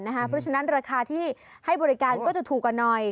เพราะฉะนั้นราคาที่ให้บริการก็จะถูกกว่าหน่อย